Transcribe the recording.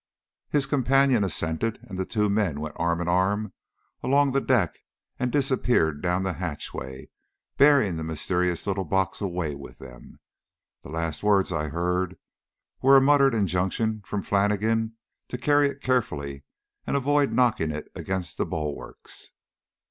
His companion assented, and the two went arm in arm along the deck and disappeared down the hatchway, bearing the mysterious little box away with them. The last words I heard were a muttered injunction from Flannigan to carry it carefully, and avoid knocking it against the bulwarks.